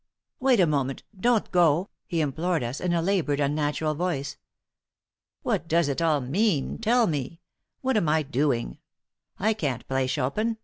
"Wait a moment! Don't go!" he implored us, in a labored, unnatural voice. "What does it all mean? Tell me! What am I doing? I can't play Chopin!